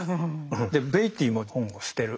でベイティーも本を捨てる。